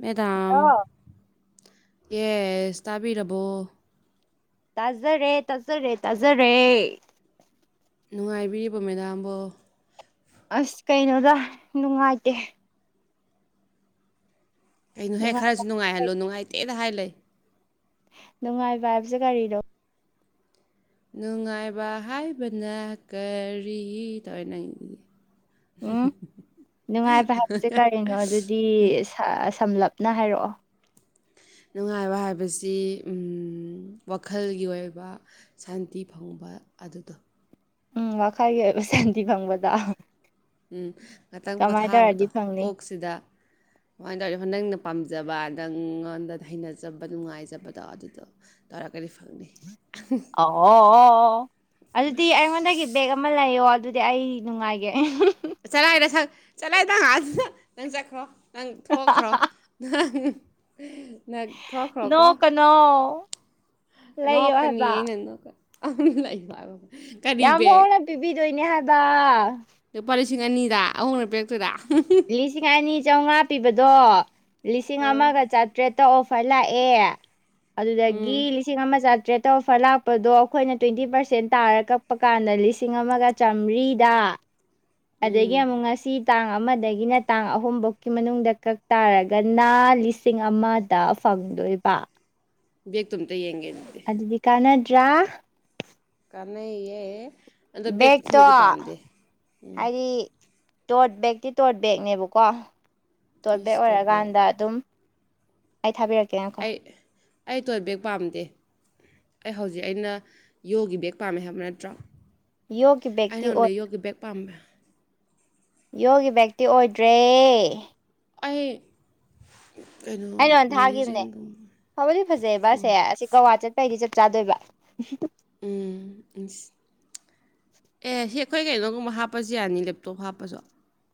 madam hello yes ꯇꯥꯕꯤꯔꯕꯣ ꯇꯥꯖꯔꯦ ꯇꯥꯖꯔꯦ ꯇꯥꯖꯔꯦ ꯅꯨꯡꯉꯥꯏꯕꯤꯔꯤꯕꯣ ꯃꯦꯗꯥꯝꯕꯣ ꯑꯁ ꯀꯩꯅꯣꯗ ꯅꯨꯡꯉꯥꯏꯇꯦ ꯀꯩꯅꯣ ꯍꯦ ꯈꯔꯁꯨ ꯅꯨꯡꯉꯥꯏꯕ ꯅꯨꯡꯉꯥꯏꯍꯜꯂꯣ ꯅꯨꯡꯉꯥꯏꯇꯦꯗ ꯍꯥꯏ ꯂꯩ ꯅꯨꯡꯉꯥꯏꯕ ꯍꯥꯏꯕꯖꯦ ꯀꯥꯔꯤꯅꯣ ꯅꯨꯡꯉꯥꯏꯕ ꯍꯥꯏꯕꯅ ꯀꯔꯤ ꯇꯧꯔꯟ ꯎꯝ ꯅꯨꯡꯉꯥꯏꯕ ꯍꯥꯏꯕꯖꯦ ꯀꯔꯤꯅꯣ ꯑꯗꯨꯗꯤ ꯁ ꯁꯝꯂꯞꯅ ꯍꯥꯏꯔꯛꯑꯣ ꯅꯨꯡꯉꯥꯏꯕ ꯍꯥꯏꯕꯁꯤ ꯎꯝ ꯋꯥꯈꯜꯒꯤ ꯑꯣꯏꯕ ꯁꯥꯟꯇꯤ ꯐꯪꯕ ꯑꯗꯨꯗꯣ ꯎꯝ ꯋꯥꯈꯜꯒꯤ ꯑꯣꯏꯕ ꯁꯥꯟꯇꯤ ꯐꯪꯕꯗꯣ ꯎꯝ ꯉꯥꯇꯪ ꯀꯃꯥꯏꯅ ꯇꯧꯔꯗꯤ ꯄꯣꯊꯥꯕꯗꯣ ꯐꯪꯅꯤ ꯀꯣꯛꯁꯤꯗ [unintelligible] ꯅꯪꯅ ꯄꯥꯝꯖꯕ ꯅꯪꯉꯣꯟꯗ ꯍꯩꯅꯖꯕ ꯅꯨꯡꯉꯥꯏꯖꯕꯗꯣ ꯑꯗꯨꯗꯣ ꯇꯔꯒꯗꯤ ꯐꯪꯅꯤ ꯑꯣ ꯑꯗꯨꯗꯤ ꯑ ꯩꯉꯣꯟꯗꯒꯤ ꯕꯦꯛ ꯑꯃ ꯂꯩꯌꯣ ꯑꯗꯨꯗꯤ ꯑꯩ ꯅꯨꯡꯉꯥꯏꯒꯦ ꯆꯂꯥꯏꯗ ꯅꯁꯛ ꯆꯂꯥꯏꯅꯪꯑꯗ ꯅꯪ ꯆꯠꯈ꯭ꯔꯣ ꯅꯪ ꯊꯣꯛꯈ꯭ꯔꯣ ꯅꯪ ꯅꯪ ꯊꯣꯛꯈ꯭ꯔꯣꯀꯣ ꯅꯣ ꯅꯣꯛ ꯀꯅꯤ ꯑꯩꯅ ꯅꯣꯛꯀꯅꯤ ꯌꯥꯝ ꯍꯣꯡꯅ ꯄꯤꯕꯤꯗꯣꯏꯅꯤ ꯍꯥꯏꯕ ꯂꯨꯄꯥ ꯂꯤꯁꯤꯡ ꯑꯅꯤꯗ ꯍꯣꯡꯅ ꯄꯤꯔꯛꯇꯣꯢꯔꯥ ꯂꯤꯁꯤꯡ ꯑꯅꯤ ꯆꯧꯉꯥ ꯄꯤꯕꯗꯣ ꯂꯤꯁꯤꯡ ꯑ ꯑꯃꯒ ꯆꯥꯇ꯭ꯔꯦꯠ ꯑꯣꯐꯔ ꯂꯥꯛꯑꯦ ꯑꯗꯨꯗꯒꯤ ꯎꯝ ꯂꯤꯁꯤꯡ ꯑꯃ ꯆꯥꯇ꯭ꯔꯦꯠꯇ ꯑꯣꯐꯔ ꯂꯥꯛꯄꯗꯣ ꯑꯈꯣꯏꯅ ꯇ꯭ꯋꯦꯟꯇꯤ ꯄꯥꯔꯁꯦꯟ ꯇꯥꯔ ꯀꯛꯄ ꯀꯥꯟꯗ ꯂꯤꯁꯤꯡ ꯑꯃꯒ ꯆꯥꯝꯃ꯭ꯔꯤꯗ ꯑꯗꯒꯤ ꯑꯃꯨꯛ ꯉꯁꯤ ꯇꯥꯡ ꯑꯃꯗꯒꯤꯅ ꯇꯥꯡ ꯑꯍꯨꯝꯕꯧꯀꯥ ꯃꯅꯨꯡꯗ ꯀꯛ ꯇꯥꯔꯒ ꯅ ꯂꯤꯁꯤꯡ ꯑꯃꯗ ꯐꯪꯗꯣꯏꯕ ꯕꯦꯛꯇꯣ ꯑꯝꯇ ꯌꯦꯡꯒꯦ ꯗꯨꯗꯤ ꯗꯨꯗꯤ ꯀꯥꯅꯗ꯭ꯔꯥ ꯀꯥꯅꯩꯌꯦ ꯕꯦꯛꯇꯣ ꯍꯥꯏꯗꯤ ꯗꯣꯔꯠ ꯕꯦꯛꯇꯤ ꯗꯣꯔꯠ ꯕꯦꯒꯅꯦꯕꯀꯣ ꯇꯣꯠ ꯕꯦꯛ ꯑꯣꯏꯔꯀꯥꯟꯗ ꯑꯗꯨꯝ ꯑꯩ ꯊꯥꯕꯤꯔꯛꯀꯦ ꯉꯥ ꯑꯩ ꯑꯩ [inaudible] ꯕꯦꯛ ꯄꯥꯝꯗꯦ ꯑꯩ ꯍꯧꯖꯤꯛ ꯑꯩꯅ ꯌꯣꯒꯤ ꯕꯦꯒ ꯄꯥꯝꯃꯦ ꯍꯥꯏꯕ ꯅꯠꯇ꯭ꯔꯣ ꯌꯣꯒꯤ ꯑꯩ ꯕꯦꯛꯇꯤ ꯑꯣꯏ ꯅꯉꯣꯟꯗ ꯌꯣꯒꯤ ꯕꯦꯛ ꯄꯥꯝꯃꯦ ꯌꯣꯒꯤ ꯕꯦꯛꯇꯤ ꯑꯣꯏꯗ꯭ꯔꯦ ꯑꯩ ꯑꯩꯅ ꯀꯩꯅꯣ ꯅꯉꯣꯟꯗ ꯊꯥꯒꯤꯕꯅꯦ ꯃꯦꯔꯤꯖꯦꯟꯒꯨꯝꯕ ꯐꯕꯗꯤ ꯐꯖꯩꯕ ꯑꯁꯦ ꯑꯣꯏ ꯑꯁꯤ ꯀꯛꯋꯥ ꯆꯠ ꯑꯗꯨꯏꯗꯤ ꯆꯞ ꯆꯥꯗꯣꯏꯕ ꯎꯝ ꯏꯁ ꯑꯦ [inaudible] ꯑꯩꯈꯣꯏ ꯀꯩꯅꯣꯒꯨꯝꯕ ꯍꯥꯞꯄꯁꯨ ꯌꯥꯅꯤ ꯂꯦꯞꯇꯣꯞ ꯍꯥꯞꯄꯁꯨ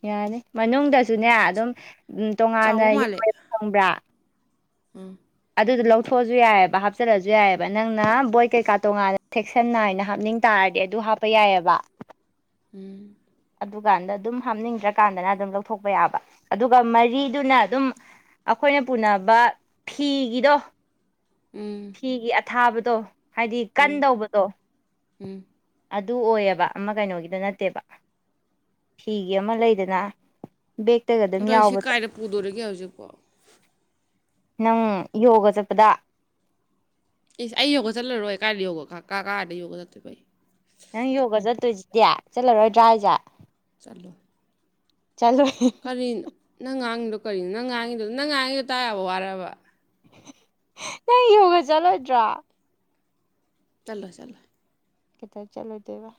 ꯌꯥꯅꯤ ꯃꯅꯨꯡꯗꯁꯨꯅꯦ ꯑꯗꯨꯝ ꯎꯝ ꯇꯣꯉꯥꯟꯅ ꯆꯥꯎꯕ ꯃꯥꯜꯂꯦ ꯌꯥꯎꯋꯦꯕ ꯈꯪꯕ꯭ꯔꯥ ꯎꯝ ꯑꯗꯨꯗꯣ ꯂꯧꯊꯣꯛꯑꯁꯨ ꯌꯥꯏꯌꯦꯕ ꯍꯥꯞꯆꯜꯂꯁꯨ ꯌꯥꯏꯌꯦꯕ ꯅꯪꯅ ꯕꯣꯏ ꯀꯩꯀꯥ ꯇꯣꯉꯥꯟꯅ ꯁꯦꯛꯁꯟ ꯅꯥꯏꯅ ꯍꯥꯞꯅꯤꯡ ꯇꯥꯔꯗꯤ ꯑꯗꯨ ꯍꯥꯞꯄ ꯌꯥꯏꯌꯦꯕ ꯎꯝ ꯑꯗꯨꯀꯥꯟꯗ ꯑꯗꯨꯝ ꯍꯥꯞꯅꯤꯡꯗ꯭ꯔ ꯀꯥꯟꯗꯅ ꯑꯗꯨꯝ ꯂꯧꯊꯣꯛꯄ ꯌꯥꯕ ꯑꯗꯨꯒ ꯃꯔꯤꯗꯨꯅ ꯑꯗꯨꯝ ꯑꯩꯈꯣꯏꯅ ꯄꯨꯅꯕ ꯐꯤꯒꯤꯗꯣ ꯎꯝ ꯐꯤꯒꯤ ꯑꯊꯥꯕꯗꯣ ꯍꯥꯏꯗꯤ ꯀꯟꯗꯧꯕꯗꯣ ꯑꯗꯨ ꯑꯣꯏꯌꯦꯕ ꯑꯃ ꯀꯩꯅꯣꯒꯤꯗꯣ ꯅꯠꯇꯦꯕ ꯐꯤꯒꯤ ꯑꯃ ꯂꯩꯗꯅ ꯕꯦꯛꯇꯒ ꯑꯗꯨꯝ ꯑꯗꯣ ꯑꯩ ꯁꯤ ꯌꯥꯎꯕꯗꯣ ꯀꯥꯏꯗ ꯄꯨꯗꯣꯔꯤꯒꯦ ꯍꯧꯖꯤꯛꯄꯣ ꯅꯪ ꯌꯣꯒ ꯆꯠꯄꯗ ꯏꯁ ꯑꯩ ꯌꯣꯒ ꯆꯠꯂꯔꯣꯏ ꯀꯥꯏꯗ ꯌꯣꯒ ꯀꯥ ꯀꯥꯏꯗ ꯌꯣꯒ ꯆꯠꯇꯣꯏꯕ ꯑꯩ ꯅꯪ ꯌꯣꯒ ꯆꯠꯇꯣꯏꯁꯤꯗꯤ ꯆꯠꯂꯔꯣꯏꯗ꯭ꯔꯥ ꯍꯥꯏꯁꯦ ꯆꯠꯂꯣꯏ ꯆꯠꯂꯣꯢ ꯀꯔꯤꯅꯣ ꯅꯪ ꯉꯥꯡꯉꯤꯗꯣ ꯀꯔꯤꯅꯣ ꯅꯪ ꯉꯥꯡꯉꯤꯗꯣ ꯅꯪ ꯉꯥꯡꯉꯤꯗꯣ ꯇꯥ ꯌꯥꯕ ꯋꯥꯔꯕ ꯅꯪ ꯌꯣꯒ ꯆꯠꯂꯣꯏꯗ꯭ꯔꯣ ꯆꯠꯂꯣꯢ ꯆꯠꯂꯣꯢ ꯀꯩꯗꯧ ꯆꯠꯂꯣꯏꯗꯣꯏꯕ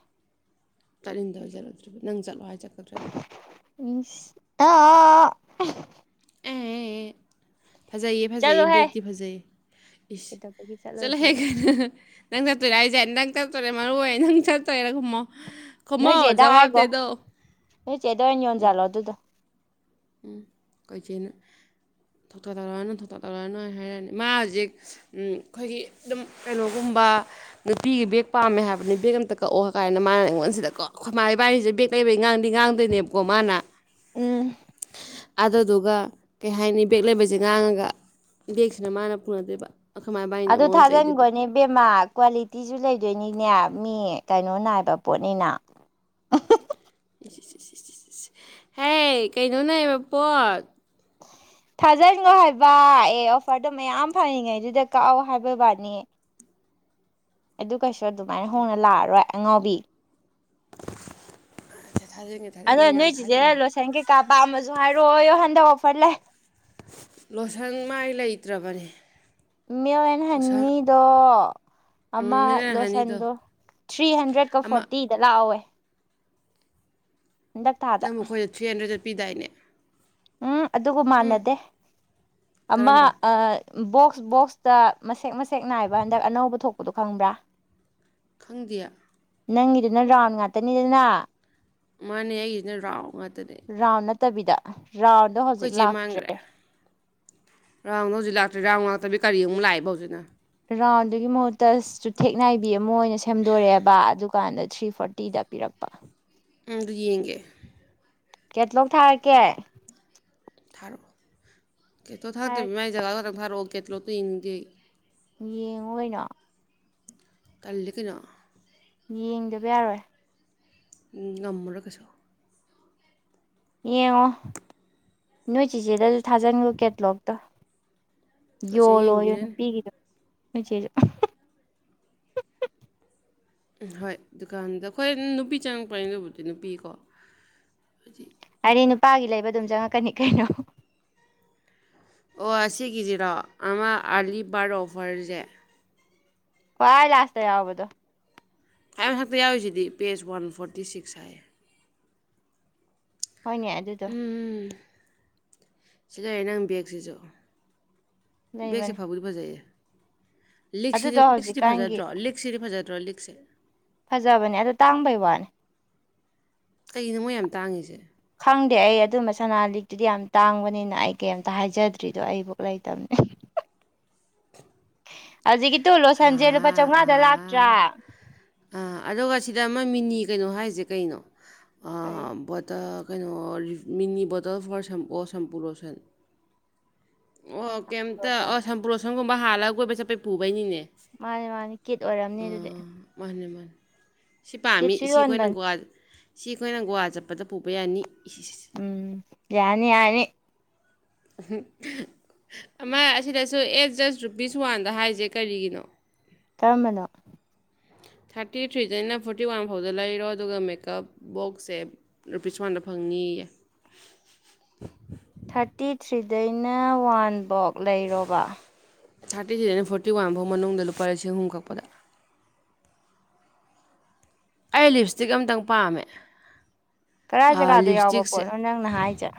ꯆꯠꯅꯤꯡꯗꯕꯩ ꯆꯠꯂꯣꯏꯗ꯭ꯔꯤꯕ ꯅꯪ ꯆꯠꯂꯣ ꯍꯥꯏꯔ ꯆꯠꯀꯗ꯭ꯔꯣ ꯍꯦꯛꯇ ꯑꯁ ꯇꯥ [unintelligible] ꯑꯦ ꯐꯖꯩꯌꯦ ꯐꯖꯩꯌꯦ ꯆꯠꯂꯣꯍꯦ ꯕꯦꯒꯇꯤ ꯐꯖꯩꯌꯦ ꯏꯁ ꯀꯩꯗꯧꯕꯒꯤ ꯆꯠꯂꯣꯍꯦ ꯆꯠꯂꯣꯏꯗ꯭ꯔꯤꯅꯣ ꯅꯪ ꯆꯠꯇꯣꯏꯔꯥ ꯍꯥꯏꯁꯦ ꯅꯪ ꯆꯠꯇꯣꯏꯔꯥ ꯃꯔꯨ ꯑꯣꯏ ꯅꯪ ꯆꯠꯇꯣꯏꯔꯥ ꯈꯨꯝꯃꯣ ꯈꯨꯝꯃꯣ ꯅꯣꯏ ꯆꯦꯗ ꯍꯥꯏꯈꯣ ꯖꯋꯥꯕꯗꯦꯗꯣ ꯅꯣꯏ ꯆꯦꯗ ꯑꯣꯏꯅ ꯌꯣꯟꯖꯜꯂꯣ ꯑꯗꯨꯗꯣ ꯎꯝ ꯈꯣꯏ ꯆꯦꯅ ꯊꯣꯛ ꯇꯧꯔꯛꯑꯅꯨ ꯊꯣꯛ ꯊꯥꯛ ꯇꯧꯔꯛꯑꯅꯨ ꯍꯥꯏꯔꯛꯑꯅꯤ ꯃꯥ ꯍꯧꯖꯤꯛ ꯎꯝ ꯑꯩꯈꯣꯏꯒꯤ ꯑꯗꯨꯝ ꯀꯩꯅꯣꯒꯨꯝꯕ ꯅꯨꯄꯤꯒꯤ ꯕꯦꯒ ꯄꯥꯝꯃꯦ ꯍꯥꯏꯕꯅꯤ ꯕꯒ ꯑꯝꯇ ꯀꯛꯑꯣ ꯀꯥꯏꯅ ꯃꯥꯅ ꯑꯩꯉꯣꯟꯁꯤꯗ ꯀꯣ ꯑꯈꯣꯏ ꯃꯥ ꯏꯕꯥꯅꯤꯁꯤꯗ ꯕꯦꯒ ꯂꯩꯩꯕꯩ ꯉꯥꯡꯗꯤ ꯉꯥꯡꯗꯣꯏꯅꯦꯕꯀꯣ ꯃꯥꯅ ꯎꯝ ꯑꯗꯨꯗꯨꯒ ꯀꯩ ꯍꯥꯏꯅꯤ ꯕꯦꯒ ꯂꯩꯕꯩꯁꯦ ꯉꯥꯡꯉꯒ ꯕꯦꯒꯁꯤꯅ ꯃꯥꯅ ꯄꯨꯅꯗꯣꯏꯕ ꯑꯩꯈꯣꯏ ꯃꯥ ꯏꯕꯥꯟꯅꯤꯅ ꯃꯉꯣꯟꯗ ꯆꯩꯗꯨꯏꯕ ꯏꯕꯦꯝꯃ ꯀ꯭ꯋꯥꯂꯤꯇꯤꯁꯨ ꯂꯩꯗꯣꯏꯅꯤꯅꯦ ꯃꯤ ꯀꯩꯅꯣ ꯅꯥꯏꯕ ꯄꯣꯠꯅꯤꯅ ꯏꯁ ꯏꯁ ꯍꯦ ꯀꯩꯅꯣ ꯅꯥꯏꯕ ꯄꯣꯠ ꯊꯥꯖꯟꯒꯣ ꯍꯥꯏꯕ ꯑꯦ ꯑꯣꯐꯔꯗꯣ ꯃꯌꯥꯝ ꯐꯪꯉꯤꯉꯩꯗꯨꯗ ꯀꯛꯑꯣ ꯍꯥꯏꯕꯩ ꯋꯥꯅꯤ ꯑꯗꯨꯒ ꯀꯩꯁꯨ ꯑꯗꯨꯃꯥꯏꯅ ꯍꯣꯡꯅ ꯂꯥꯛꯑꯔꯣꯏ ꯑꯉꯥꯎꯕꯤ [unintelligible] ꯑꯗꯣ ꯅꯣꯏ ꯆꯦꯗ ꯊꯥꯖꯤꯟ ꯂꯣꯏꯁꯟ ꯀꯩꯀꯥ ꯄꯥꯝꯃꯁꯨ ꯍꯥꯏꯔꯛꯑꯣꯌꯣ ꯍꯟꯗꯛ ꯑꯣꯐꯔ ꯂꯩ ꯂꯣꯁꯟ ꯃꯥꯏ ꯂꯩꯇ꯭ꯔꯕꯅꯦ ꯃꯤꯜꯛ ꯑꯦꯟ ꯂꯣꯁꯟ ꯍꯅꯤꯗꯣ ꯑꯃ ꯎꯝ ꯃꯤꯅꯔꯦꯜ ꯍꯅꯤꯗꯣ ꯂꯣꯁꯟꯗꯣ ꯊ꯭ꯔꯤ ꯍꯟꯗ꯭ꯔꯦꯗꯀ ꯑꯃ ꯐꯣꯔꯇꯤꯗ ꯂꯥꯛꯍꯧꯋꯦ ꯍꯟꯗꯛ ꯊꯥꯗ ꯅꯪꯕꯨ ꯑꯩꯈꯣꯏꯗ ꯊ꯭ꯔꯤ ꯍꯟꯗ꯭ꯔꯦꯗꯠꯇ ꯄꯤꯗꯥꯏꯅꯦ ꯎꯝ ꯑꯗꯨꯒ ꯎꯝ ꯃꯥꯟꯅꯗꯦ ꯑꯃ ꯀꯔꯝꯕ ꯑꯥ ꯕꯣꯛꯁ ꯕꯣꯛꯁꯇ ꯃꯁꯦꯛ ꯃꯁꯦꯛ ꯅꯥꯏꯕ ꯍꯟꯗꯛ ꯑꯅꯧꯕ ꯊꯣꯛꯄꯗꯣ ꯈꯪꯕ꯭ꯔꯥ ꯈꯪꯗꯦ ꯅꯪꯒꯤꯗꯨꯅ ꯔꯥꯎꯟ ꯉꯥꯛꯇꯅꯤꯗꯅ ꯃꯥꯅꯦ ꯑꯩꯒꯤꯁꯤꯅ ꯔꯥꯎ ꯉꯥꯛꯇꯅꯦ ꯔꯥꯎꯟ ꯅꯠꯇꯕꯤꯗ ꯔꯥꯎꯟ ꯑꯩꯈꯣꯏꯆꯦ ꯃꯥꯟꯈ꯭ꯔꯦ ꯔꯥꯎꯟꯗ ꯍꯧꯖꯤꯛ ꯂꯥꯛꯇ꯭ꯔꯤ ꯔꯥꯎꯟ ꯉꯥꯛꯇꯕꯤ ꯀꯔꯤ ꯑꯃꯨꯛ ꯂꯥꯛꯑꯦꯕ ꯍꯧꯖꯤꯛꯅ ꯔꯥꯎꯟꯗꯨꯒꯤ ꯃꯍꯨꯠꯇ ꯆꯨꯊꯦꯛ ꯅꯥꯏꯕꯤ ꯑꯃ ꯑꯣꯏꯅ ꯁꯦꯝꯗꯣꯔꯛꯑꯦꯕ ꯑꯗꯨ ꯀꯥꯟꯗ ꯊ꯭ꯔꯤ ꯐꯣꯔꯇꯤꯗ ꯄꯤꯔꯛꯄ ꯎꯝ ꯑꯗꯨ ꯌꯦꯡꯒꯦ ꯀꯦꯠꯂꯣꯛ ꯊꯥꯔꯛꯀꯦ ꯊꯥꯔꯛꯑꯣ ꯀꯦꯇꯂꯣꯡ ꯊꯥꯔꯛꯇꯕꯤ ꯊꯥꯔꯛꯀꯦ ꯃꯥꯏ ꯖꯒꯥ ꯈꯛꯇꯪ ꯊꯥꯔꯛꯑꯣ ꯀꯦꯇꯂꯣꯠꯇꯣ ꯌꯦꯡꯅꯤꯡꯗꯦ ꯑꯩ ꯌꯦꯡꯉꯨ ꯀꯩꯅꯣ ꯇꯜꯂꯤ ꯀꯩꯅꯣ ꯌꯦꯡꯗꯕ ꯌꯥꯔꯣꯏ ꯎꯝ ꯉꯝꯃꯥꯔꯣꯏ ꯀꯩꯁꯨ ꯌꯦꯡꯉꯣ ꯅꯣꯏ ꯆꯦꯆꯦꯗꯁꯨ ꯊꯥꯖꯟꯒꯣ ꯀꯦꯠꯂꯣꯛꯇꯣ ꯑꯩꯈꯣꯏ ꯆꯦꯅ ꯌꯣꯜꯂꯣ ꯌꫭ ꯌꯦꯡꯕꯤꯔꯅꯤ ꯅꯨꯄꯤꯒꯤꯗꯣ ꯅꯣꯏꯆꯦꯖꯨ ꯎꯝ ꯍꯣꯏ ꯗꯨꯀꯥꯟꯗ ꯑꯩꯈꯣꯏ ꯅꯨꯄꯤ ꯆꯪꯉꯛꯄꯅꯤ ꯂꯕꯨꯗꯤ ꯅꯨꯄꯤꯀꯣ ꯍꯥꯏꯗꯤ ꯍꯥꯏꯗꯤ ꯅꯨꯄꯥꯒꯤ ꯂꯩꯕ ꯑꯗꯨꯝ ꯆꯪꯉꯛꯀꯅꯤ ꯀꯩꯅꯣ ꯑꯣ ꯑꯁꯤ ꯒꯤꯖꯤꯔꯣ ꯑꯃ ꯑꯥꯔꯂꯤ ꯕꯥꯔꯠ ꯑꯣꯐꯔꯖꯦ ꯈꯋꯥꯏ ꯂꯥꯁꯇ ꯌꯥꯎꯕꯗꯣ ꯈꯥꯋꯥꯏ ꯃꯊꯛꯇ ꯌꯥꯎꯔꯤꯁꯤꯗꯤ ꯕꯦꯖ ꯋꯥꯟ ꯐꯣꯔꯇꯤ ꯁꯤꯛꯁ ꯍꯥꯏꯌꯦ ꯍꯣꯏꯅꯦ ꯑꯗꯨꯗꯣ ꯁꯤ ꯂꯩꯔꯦ ꯅꯪ ꯕꯦꯒꯁꯤꯁꯨ ꯕꯦꯒꯁꯦ ꯂꯩꯕꯅꯦ ꯐꯕꯨ ꯒꯖꯩꯌꯦ ꯂꯤꯒꯁꯤꯗꯤ ꯑꯗꯨꯗꯣ ꯂꯤꯒꯁꯤꯗꯤ ꯍꯧꯖꯤꯛꯀꯥꯟꯒꯤ ꯐꯥꯖꯗ꯭ꯔꯣ ꯂꯤꯒꯁꯤꯗꯤ ꯐꯥꯖꯗ꯭ꯔꯣ ꯂꯤꯒꯁꯦ ꯐꯖꯕꯅꯦ ꯑꯗꯣ ꯇꯥꯡꯕꯩ ꯋꯥꯅꯦ ꯀꯩꯒꯤꯅꯣ ꯃꯣꯏ ꯌꯥꯝ ꯇꯥꯡꯉꯤꯁꯦ ꯈꯪꯗꯦ ꯑꯩ ꯑꯗꯨꯝꯕ ꯁꯅꯥ ꯂꯤꯛꯇꯨꯗꯤ ꯌꯥꯝ ꯇꯥꯡꯕꯅꯤꯅ ꯑꯩ ꯀꯩꯝꯇ ꯍꯥꯏꯖꯗ꯭ꯔꯤꯗꯣ ꯑꯩꯕꯧ ꯂꯩꯗꯕꯅꯦ [unintelligible] ꯍꯧꯖꯤꯀꯤ ꯇꯣ ꯂꯣꯁꯟꯁꯦ ꯂꯨꯄꯥ ꯑꯥ ꯆꯧꯃꯉꯥꯗ ꯑꯥ ꯂꯥꯛꯇ꯭ꯔꯥ ꯑꯥ ꯑꯗꯨꯒ ꯁꯤꯗ ꯑꯃ ꯃꯤꯅꯤ ꯀꯩꯅꯣ ꯍꯥꯏꯖꯦ ꯀꯩꯅꯣ ꯑꯣ [unintelligible] ꯕꯣꯇ ꯀꯩꯅꯣ ꯃꯤꯅꯤ ꯕꯣꯇꯜ ꯐꯣꯔ ꯁꯣ ꯁꯝꯄꯨ ꯂꯣꯁꯟ ꯑꯣ ꯀꯩꯏꯝꯇ ꯂꯣꯁꯟ ꯑꯣ ꯁꯝꯄꯨ ꯂꯣꯁꯟꯒꯨꯝꯕ ꯍꯥꯜꯂꯒ ꯀꯣꯏꯕ ꯆꯠꯄꯩ ꯄꯨꯕꯩꯅꯤꯅꯦ ꯃꯥꯅꯤ ꯃꯥꯅꯤ ꯀꯦꯠ ꯑꯣꯏꯔꯝꯅꯤ ꯑꯗꯨꯗꯤ ꯑꯥ ꯃꯥꯅꯦ ꯃꯥꯥꯟ ꯁꯤ ꯄꯥꯝꯃꯤ ꯀꯤꯠꯁꯨ ꯁꯤ ꯌꯣꯟꯕꯅꯦ ꯑꯩꯈꯣꯏꯅ ꯒꯣꯋꯥ ꯁꯤ ꯑꯩꯈꯣꯏꯅ ꯒꯣꯋꯥ ꯆꯠꯄꯗ ꯄꯨꯕ ꯌꯥꯅꯤ ꯎꯝ ꯌꯥꯅꯤ ꯌꯥꯅꯤ ꯍꯝ ꯑꯃ ꯑꯁꯤꯗꯁꯨ ꯑꯦꯠ ꯖꯁ ꯔꯨꯄꯤꯁ ꯋꯥꯟꯗ ꯍꯥꯏꯁꯦ ꯀꯔꯤꯒꯤꯅꯣ ꯀꯔꯝꯕꯅꯣ ꯊꯥꯔꯇꯤ ꯊ꯭ꯔꯤꯗꯩꯅ ꯐꯣꯔꯇꯤ ꯋꯥꯟ ꯐꯥꯎꯗ ꯂꯩꯔꯣ ꯑꯗꯨꯒ ꯃꯦꯀꯥꯞ ꯕꯣꯛꯁꯁꯦ ꯔꯨꯄꯤꯁ ꯋꯥꯟꯗ ꯐꯪꯅꯤꯌꯦ ꯊꯥꯔꯇꯤ ꯊ꯭ꯔꯤꯗꯩꯅ ꯋꯥꯟ ꯕꯣꯛ ꯂꯩꯔꯣꯕ ꯊꯥꯔꯇꯤ ꯊ꯭ꯔꯤꯗꯩꯅ ꯐꯣꯔꯇꯤ ꯋꯥꯟ ꯐꯥꯎ ꯃꯅꯨꯡꯗ ꯂꯨꯄꯥ ꯂꯤꯁꯤꯡ ꯑꯍꯨꯝ ꯀꯛꯄꯗ ꯑꯩ ꯂꯤꯞ ꯏꯁꯇꯤꯛ ꯑꯃꯝꯇꯪ ꯄꯥꯝꯃꯦ ꯀꯗꯥꯏ ꯑꯥ ꯖꯒꯥꯗ ꯂꯤꯞ ꯌꯥꯎꯕ ꯏꯁꯇꯤꯛꯁꯦ ꯄꯣꯠꯅꯣ ꯅꯪꯅ ꯍꯥꯏꯁꯦ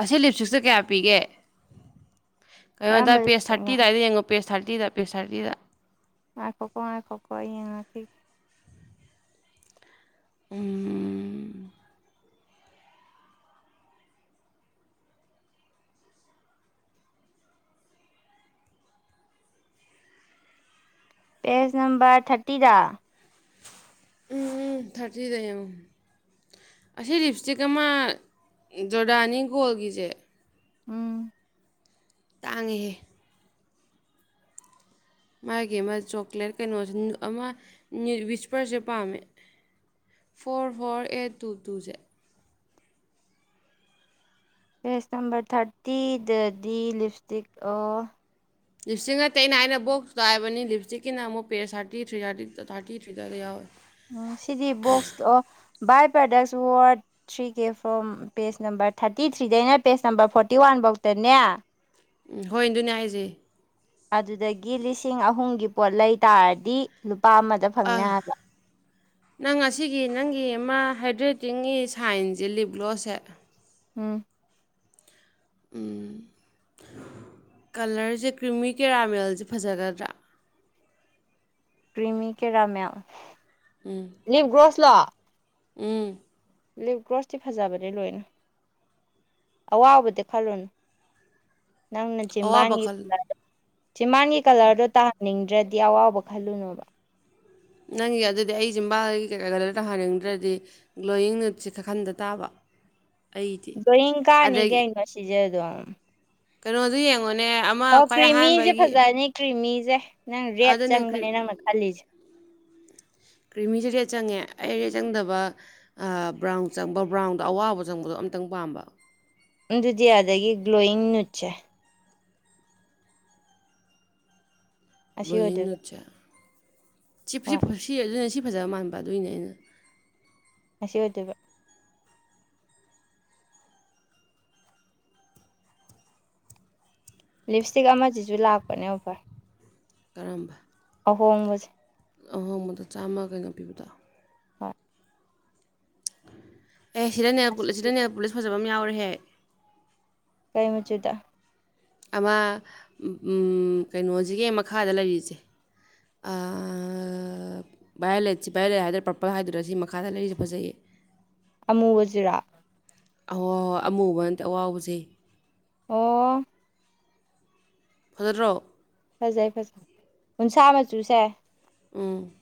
ꯑꯁꯤ ꯂꯤꯞ ꯏꯁꯇꯤꯛꯁꯦ ꯀꯌꯥ ꯄꯤꯒꯦ ꯀꯩꯅꯣꯗ ꯀꯔꯝꯕ ꯄꯦꯁ ꯂꯤꯞꯁꯇꯤꯛꯅꯣ ꯊꯥꯔꯇꯤꯗꯥꯏꯗ ꯌꯦꯡꯉꯣ ꯄꯦꯁ ꯊꯥꯔꯇꯤꯗ ꯄꯦꯁ ꯊꯥꯔꯇꯤꯗ ꯉꯥꯏꯈꯣꯀꯣ ꯉꯥꯏꯈꯣꯀꯣ ꯑꯩ ꯌꯦꯡꯉꯥꯛꯈꯤꯒꯦ ꯎꯝ ꯄꯦꯖ ꯅꯝꯕꯔ ꯊꯥꯔꯇꯤꯗ ꯎꯝ ꯎꯝ ꯊꯥꯔꯇꯤꯗ ꯌꯦꯡꯉꯣ ꯑꯁꯤ ꯂꯤꯞ ꯏꯁꯇꯤꯛ ꯑꯃ ꯖꯣꯔꯗꯥꯅꯤ ꯒꯣꯜꯒꯤꯁꯦ ꯎꯝ ꯇꯥꯡꯉꯤꯍꯦ ꯃꯥꯒꯤ ꯑꯃ ꯆꯣꯀ꯭ꯂꯦꯠ ꯀꯩꯅꯣꯁꯦ ꯑꯃ [unintelligible] ꯄꯥꯝꯃꯦ ꯐꯣꯔ ꯐꯣꯔ ꯑꯩꯠ ꯇꯨ ꯇꯨꯁꯦ ꯄꯦꯖ ꯅꯝꯕꯔ ꯊꯥꯔꯇꯤꯗꯗꯤ ꯂꯤꯞꯁꯇꯤꯛ ꯑꯣ ꯂꯤꯞꯁꯇꯤꯛ ꯅꯠꯇꯦ ꯑꯩꯅ ꯑꯩꯅ ꯕꯣꯛꯁꯇꯣ ꯍꯥꯏꯕꯅꯤ ꯂꯤꯞꯁꯇꯤꯀꯤꯅ ꯑꯃꯨꯛ page thirty three thirty thirty three ꯑꯗꯨꯋꯥꯢꯗ ꯌꯥꯎ ꯎꯝ ꯁꯤꯗꯤ ꯕꯣꯛꯁ ꯑꯣ by products ward three K form page number thirty ꯊ꯭ꯔꯤꯗꯩꯅ ꯄꯦꯖ ꯅꯝꯕꯥꯔ ꯐꯣꯔꯇꯤ ꯋꯥꯟꯐꯧꯗꯅꯦ ꯎꯝ ꯍꯣꯏ ꯑꯗꯨꯅꯦ ꯍꯥꯏꯁꯦ ꯑꯗꯨꯗꯒꯤ ꯂꯤꯁꯤꯡ ꯑꯍꯨꯝꯒꯤ ꯄꯣꯠ ꯂꯩ ꯇꯥꯔꯗꯤ ꯂꯨꯄꯥ ꯐꯪꯅꯤ ꯑꯥ ꯍꯥꯏꯕ ꯅꯪ ꯑꯁꯤꯒꯤ ꯅꯪꯒꯤ ꯑꯃ ꯍꯥꯏꯗ꯭ꯔꯦꯇꯤꯡꯒꯤ ꯁꯥꯏꯟꯁꯦ ꯂꯤꯞ ꯒ꯭ꯂꯣꯁꯦ ꯎꯝ ꯎꯝ ꯀꯂꯔꯁꯦ ꯀ꯭ꯔꯤꯃꯤ ꯀꯦꯔꯥꯃꯦꯜꯁꯦ ꯐꯖꯒꯗ꯭ꯔꯥ ꯀ꯭ꯔꯤꯃꯤ ꯀꯦꯔꯥꯃꯦꯜ ꯂꯤꯞꯒ꯭ꯔꯣꯁ ꯂꯣ ꯎꯝ ꯂꯤꯞ ꯒ꯭ꯔꯣꯁꯇꯤ ꯐꯖꯕꯅꯦ ꯂꯣꯏꯅ ꯑꯋꯥꯕꯗꯤ ꯈꯜꯂꯨꯅꯨ ꯅꯪꯅ ꯑꯋꯥꯕ ꯆꯤꯝꯕꯥꯟꯒꯤ ꯈꯜꯂꯨ ꯀꯂꯔꯗꯣ ꯆꯤꯝꯕꯥꯟꯒꯤ ꯀꯔꯤ ꯀꯂꯔꯗꯣ ꯇꯥꯍꯟꯅꯤꯡꯗ꯭ꯔꯗꯤ ꯑꯋꯥꯎꯕ ꯈꯜꯂꯨꯅꯣꯕ ꯅꯪꯒꯤ ꯑꯗꯨꯗꯤ ꯑꯩ ꯆꯤꯝꯕꯥꯜꯒꯤ ꯀꯩꯀꯥ ꯀꯂꯔ ꯇꯥꯍꯟꯅꯤꯡꯗ꯭ꯔꯗꯤ ꯒ꯭ꯂꯣꯋꯤꯡꯅꯠꯁꯦ ꯈꯥꯛꯈꯟꯗ ꯇꯥꯕ ꯑꯩꯗꯤ ꯗ꯭ꯔꯣꯢꯡ ꯀꯥꯅꯤꯒꯦ ꯉꯁꯤꯖꯦ ꯑꯗꯨꯝ ꯀꯩꯅꯣꯗꯨ ꯌꯦꯡꯉꯣꯅꯦ ꯑꯃ ꯑꯣ ꯈ꯭ꯋꯥꯏ ꯀ꯭ꯔꯤꯃꯤꯁꯦ ꯑꯍꯥꯟꯕꯒꯤ ꯐꯖꯅꯤ ꯀ꯭ꯔꯤꯃꯤꯁꯦ ꯅꯪ ꯔꯦꯠ ꯑꯗꯨꯅꯦ ꯆꯪꯕꯅꯦ ꯅꯪꯅ ꯈꯜꯂꯤꯁꯦ ꯀ꯭ꯔꯤꯃꯤꯁꯦ ꯔꯦꯠ ꯆꯪꯉꯦ ꯑꯩ ꯔꯦꯠ ꯆꯪꯗꯕ ꯕ꯭ꯔꯥꯎꯟ ꯆꯪꯕ ꯕ꯭ꯔꯥꯎꯟꯗꯣ ꯑꯋꯥꯎꯕ ꯆꯪꯕꯗꯣ ꯑꯝꯇꯪ ꯄꯥꯝꯕ ꯑꯗꯨꯗꯤ ꯑꯗꯒꯤ ꯒ꯭ꯂꯣꯋꯤꯡ ꯅꯤꯠꯁꯦ ꯑꯁꯤ ꯒ꯭ꯂꯣꯋꯤꯡ ꯑꯣꯏꯗꯣꯏꯕ ꯅꯤꯠꯁꯤ ꯁꯤ ꯁꯤ ꯍꯣꯏ ꯁꯤ ꯑꯗꯨꯅꯦ ꯁꯤ ꯐꯖꯕ ꯃꯥꯟꯕ ꯑꯗꯨꯏꯅꯦ ꯑꯩꯅ ꯉꯁꯤ ꯑꯣꯏꯗꯣꯏꯕ ꯂꯤꯞꯁꯇꯤꯛ ꯑꯃꯁꯤꯁꯨ ꯂꯥꯛꯄꯅꯦ ꯑꯣꯐꯔ ꯀꯔꯝꯕ ꯑꯍꯣꯡꯕꯁꯦ ꯑꯍꯣꯡꯕꯗꯣ ꯆꯥꯝꯃ ꯀꯩꯅꯣ ꯄꯤꯕꯗꯣ ꯍꯣꯏ ꯑꯦ ꯁꯤꯗꯅꯦ ꯁꯤꯗ ꯅꯦꯜꯄꯨꯂꯤꯁ ꯐꯖꯕ ꯑꯃ ꯌꯥꯎꯔꯦꯍꯦ ꯀꯩ ꯃꯆꯨꯗ ꯑꯃ ꯎꯨꯝ ꯀꯩꯅꯣꯁꯤꯒꯤꯍꯦ ꯃꯈꯥꯗ ꯂꯩꯔꯤꯁꯦ ꯑꯥ ꯚꯥꯏꯌꯔꯂꯦꯠ ꯁꯤ ꯚꯥꯏꯌꯔꯂꯦꯠ ꯍꯥꯏꯗꯔꯥ ꯄꯔꯄꯜ ꯍꯥꯏꯗꯨꯔꯥ ꯁꯤ ꯃꯈꯥꯗ ꯂꯩꯔꯤꯁꯦ ꯐꯖꯩꯌꯦ ꯑꯃꯨꯕꯖꯤꯔꯣ ꯑꯍꯣꯍꯣꯏ ꯑꯃꯨꯕꯟꯇꯦ ꯑꯋꯥꯎꯕꯖꯦ ꯑꯣ ꯐꯖꯗ꯭ꯔꯣ ꯐꯖꯩ ꯐꯖꯩ ꯎꯟꯁꯥ ꯃꯆꯨꯁꯦ ꯎꯨꯝ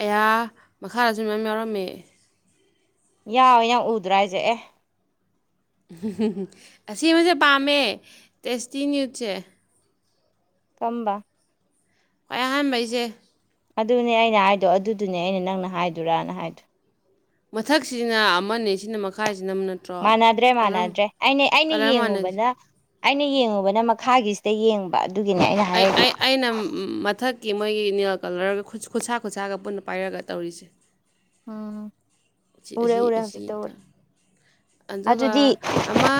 ꯑꯩꯌꯥ ꯃꯈꯥꯗꯁꯨ ꯃꯌꯥꯝ ꯌꯥꯎꯔꯝꯃꯦ ꯌꯥꯎꯋꯦ ꯅꯪ ꯎꯗ꯭ꯔꯥ ꯍꯥꯏꯁꯦ ꯑꯦ ꯑꯁꯤꯃꯁꯦ ꯄꯥꯝꯃꯦ ꯇꯦꯁꯇꯤꯅ꯭ꯌꯨꯠꯁꯦ ꯀꯝꯕ ꯈ꯭ꯋꯥꯏ ꯑꯍꯥꯟꯕꯩꯁꯦ ꯑꯗꯨꯅꯦ ꯑꯩꯅ ꯍꯥꯏꯗꯣ ꯑꯗꯨꯗꯨꯅꯦ ꯑꯩꯅ ꯅꯪꯅ ꯍꯥꯏꯗꯨꯔꯥꯅ ꯍꯥꯏꯗꯣ ꯃꯊꯛꯁꯤꯅ ꯑꯃꯅꯤ ꯁꯤꯅ ꯃꯈꯥꯏꯁꯤꯅ ꯅꯝꯅ ꯃꯥꯟꯅꯗ꯭ꯔꯦ ꯃꯥꯟꯅꯗ꯭ꯔꯦ ꯑꯩꯅ ꯑꯩꯅ ꯀꯂꯔ ꯃꯥꯟꯅꯗꯦ ꯌꯦꯡꯉꯨꯕꯅ ꯑꯩꯅ ꯌꯦꯡꯉꯨꯕꯅ ꯃꯈꯥꯒꯤ ꯗꯥ ꯌꯦꯡꯕ ꯑꯗꯨꯒꯤꯅꯦ ꯑꯩꯅ ꯍꯥꯏꯔꯛꯏꯗꯣ ꯅꯝ ꯃꯊꯛ ꯀꯤ ꯃꯣꯏꯒꯤ ꯅꯦꯜ ꯀꯂꯔꯒ ꯈꯨꯠꯁꯥ ꯈꯨꯠꯁꯥꯒ ꯄꯨꯟꯅ ꯄꯥꯏꯔꯒ ꯇꯧꯔꯤꯁꯦ ꯎꯝ ꯑꯁꯤ ꯎꯔꯦ ꯑꯁꯤ ꯎꯔꯦ ꯑꯁꯤ ꯍꯧꯖꯤꯛꯇ ꯎꯔꯦ ꯇꯧ- ꯑꯗꯨꯒ ꯑꯗꯨꯗꯤ ꯑꯃ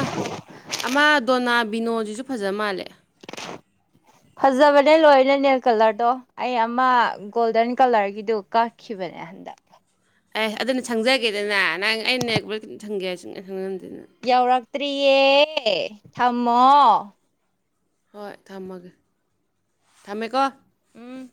ꯑꯃ ꯗꯣꯅꯥ ꯕꯤꯅꯣꯖꯤꯁꯨ ꯐꯖ ꯃꯥꯜꯂꯦ ꯐꯖꯕꯅꯦ ꯂꯣꯏꯅ ꯅꯦꯜ ꯀꯂꯔꯗꯣ ꯑꯩ ꯑꯃ ꯒꯣꯜꯗꯟ ꯀꯂꯔꯒꯤꯗꯨ ꯀꯛꯈꯤꯕꯅꯦ ꯍꯟꯗꯛ ꯑꯦ ꯑꯗꯨꯅ ꯁꯪꯖꯒꯦꯗꯅꯦ ꯅꯪ ꯑꯩꯅ [unintelligible] ꯌꯧꯔꯛꯇ꯭ꯔꯤꯌꯦ ꯊꯝꯃꯣ ꯍꯣꯏ ꯊꯝꯃꯒꯦ ꯊꯝꯃꯦꯀꯣ ꯎꯨꯝ